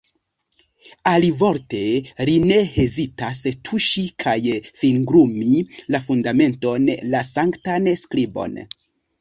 Alivorte, li ne hezitas tuŝi kaj fingrumi la fundamenton, la sanktan skribon.